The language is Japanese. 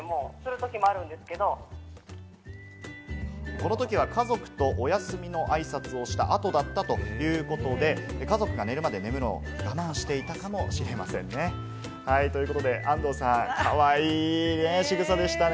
このときは家族と、おやすみの挨拶をした後だったということで、家族が寝るまで眠るのを我慢していたかもしれませんね。ということで安藤さん、かわいいしぐさでしたね。